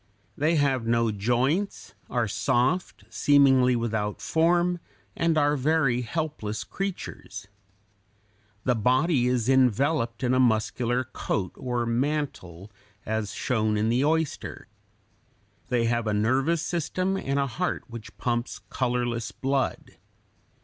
They have no joints, are soft, seemingly without form, and are very helpless creatures. The body is enveloped in a muscular coat or mantle, as shown in the oyster (Fig. 79). They have a nervous system, and a heart (H) which pumps colorless blood.